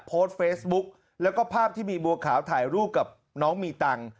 โพสต์เฟซบุ๊กแล้วก็ภาพที่มีบัวขาวถ่ายรูปกับน้องมีตังค์